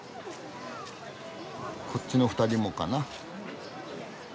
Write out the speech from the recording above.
こっちの２人もかな。